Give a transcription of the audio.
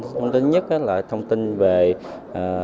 thông tin nhất là thông tin về các cái vấn đề